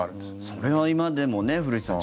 それは今でもね、古市さん